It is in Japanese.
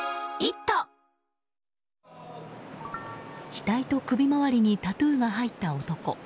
額と首回りにタトゥーが入った男。